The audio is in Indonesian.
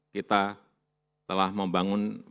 kita telah membangun fomo